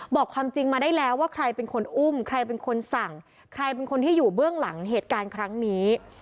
บอกความจริงมาได้แล้วว่าใครเป็นคนอุ้มใครเป็นคนสั่งใครเป็นคนที่อยู่เบื้องหลังเหตุการณ์ครั้งนี้